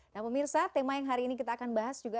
nah pemirsa tema yang hari ini kita akan bahas juga